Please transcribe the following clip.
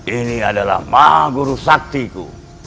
ini adalah mahaguru saktiku